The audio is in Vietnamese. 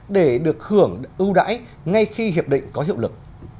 để được hưởng ưu đãi ngay khi hiệp định có hiệu lực